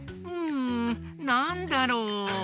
んなんだろう？